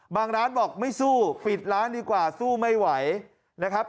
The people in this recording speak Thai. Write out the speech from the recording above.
ร้านบอกไม่สู้ปิดร้านดีกว่าสู้ไม่ไหวนะครับ